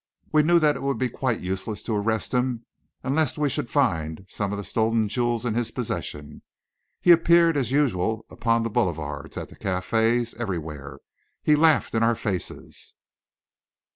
We knew that it would be quite useless to arrest him unless we should find some of the stolen jewels in his possession. He appeared as usual upon the boulevards, at the cafés, everywhere. He laughed in our faces.